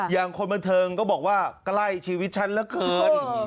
คนบันเทิงก็บอกว่าใกล้ชีวิตฉันเหลือเกิน